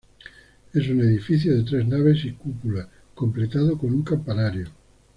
Es un edificio de tres naves y cúpula, completado con un campanario.